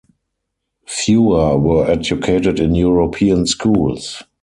Fewer were educated in European schools.